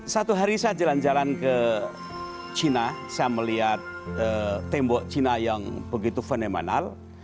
satu hari saya jalan jalan ke china saya melihat tembok cina yang begitu fenomenal